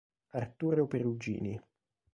Arturo Perugini.